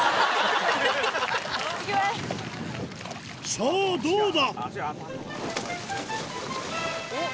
さぁどうだ？